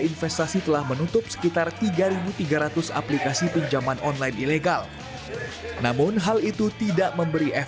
investasi telah menutup sekitar tiga ribu tiga ratus aplikasi pinjaman online ilegal namun hal itu tidak memberi